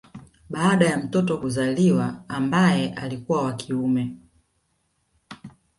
Baada ya mtoto kuzaliwa ambaye alikuwa wa kiume